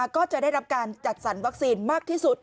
ก็จะได้รับการจัดสรรวัคซีนมากที่สุด